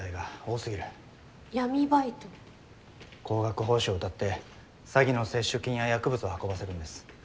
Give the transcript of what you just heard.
高額報酬を謳って詐欺の搾取金や薬物を運ばせるんです。